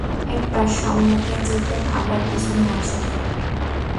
একবার সম্মুখে যেতেন আবার পিছনে আসতেন।